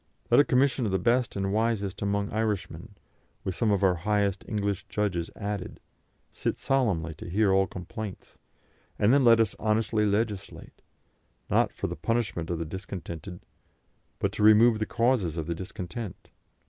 Let a commission of the best and wisest amongst Irishmen, with some of our highest English judges added, sit solemnly to hear all complaints, and then let us honestly legislate, not for the punishment of the discontented, but to remove the causes of the discontent.